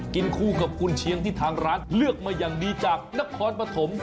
คู่กับกุญเชียงที่ทางร้านเลือกมาอย่างดีจากนครปฐม